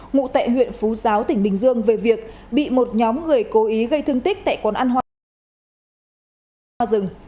ngụ tại huyện phú giáo tỉnh bình dương về việc bị một nhóm người cố ý gây thương tích tại quán ăn hoa rừng